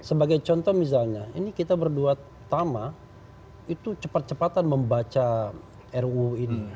sebagai contoh misalnya ini kita berdua tama itu cepat cepatan membaca ruu ini